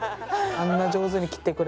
あんな上手に切ってくれるなら。